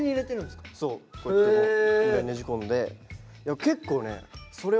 こうやってねじ込んで。